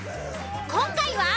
今回は？